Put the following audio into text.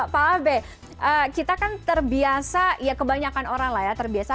pak abe kita kan terbiasa ya kebanyakan orang lah ya terbiasa